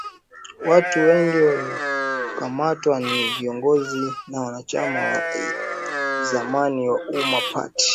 Watu wengi waliokamatwa ni viongozi na wanachama wa zamani wa Umma Party